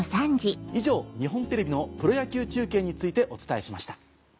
以上日本テレビのプロ野球中継についてお伝えしました。